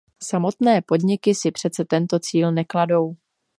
Samotné podniky si přece tento cíl nekladou.